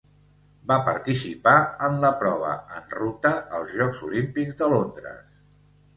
Va participar en la prova en ruta als Jocs Olímpics de Londres.